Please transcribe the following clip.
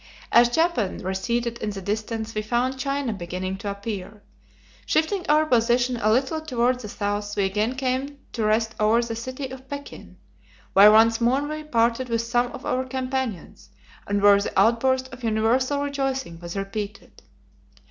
As Japan receded in the distance we found China beginning to appear. Shifting our position a little toward the south we again came to rest over the city of Pekin, where once more we parted with some of our companions, and where the outburst of universal rejoicing was repeated.